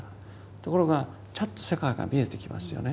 ところがちゃんと世界が見えてきますよね。